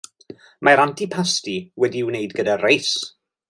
Mae'r antipasti wedi'i wneud gyda reis.